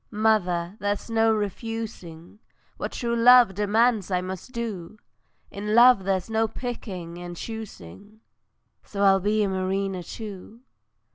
Mother, there's no refusing, What true love demands I must do; In love there's no picking and choosing, So I'll be a mariner too.